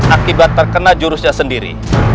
akibat terkena jurusnya sendiri